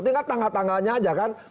tinggal tanggal tanggalnya aja kan